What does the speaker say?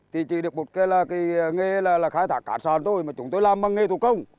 thì chỉ được một cái là cái nghề là khai thác cát sạn thôi mà chúng tôi làm bằng nghề thủ công